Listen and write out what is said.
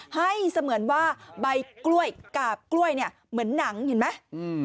ให้เสมือนว่าใบกล้วยกาบกล้วยเนี่ยเหมือนหนังเห็นไหม